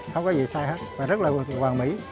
không có gì sai hết rất là hoàn mỹ